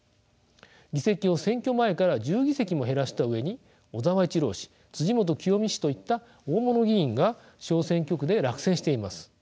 議席を選挙前から１０議席も減らした上に小沢一郎氏元清美氏といった大物議員が小選挙区で落選しています。